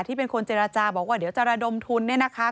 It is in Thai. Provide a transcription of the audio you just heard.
เป็นคนเจรจาบอกว่าเดี๋ยวจะระดมทุนเนี่ยนะคะ